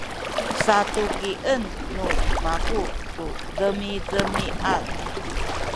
satukien nu maku tu demidemiad